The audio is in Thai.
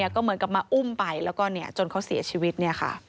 ก็เหมือนกับมาอุ้มไปแล้วก็จนเขาเสียชีวิต